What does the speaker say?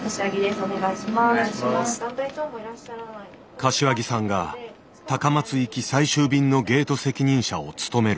柏木さんが高松行き最終便のゲート責任者を務める。